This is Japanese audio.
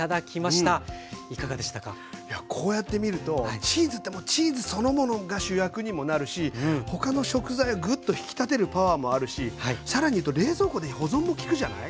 いやこうやって見るとチーズってチーズそのものが主役にもなるし他の食材をグッと引き立てるパワーもあるし更にいうと冷蔵庫で保存も利くじゃない。